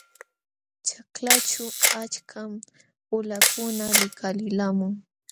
Ćhaklaćhu achkam qulakuna likalilqamun.